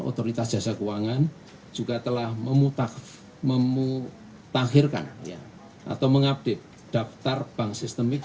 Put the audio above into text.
otoritas jasa keuangan juga telah memutakhirkan atau mengupdate daftar bank sistemik